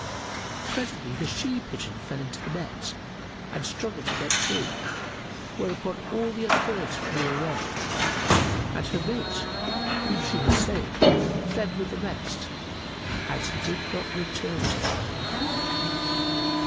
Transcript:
Presently, the she pigeon fell into the net and struggled to get free; whereupon all the other birds flew away, and her mate, whom she had saved, fled with the rest and did not return to her.